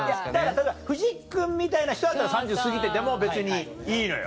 例えば藤木君みたいな人だったら３０すぎてても別にいいのよ